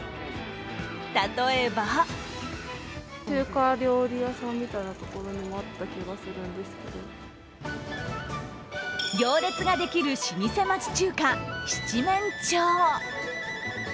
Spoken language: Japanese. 例えば行列ができる老舗町中華七面鳥。